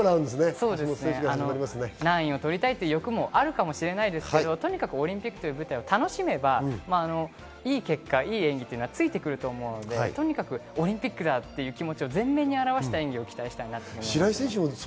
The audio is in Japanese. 何位を取りたいという欲もあるかもしれませんが、オリンピックという舞台を楽しめば、いい結果、いい演技はついてくると思うので、とにかくオリンピックだという気持ちを出した演技をしてほしいなと思います。